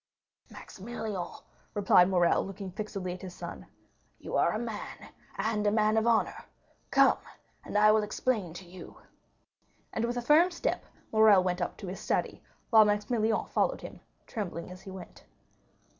"Maximilian," replied Morrel, looking fixedly at his son, "you are a man, and a man of honor. Come, and I will explain to you." And with a firm step Morrel went up to his study, while Maximilian followed him, trembling as he went.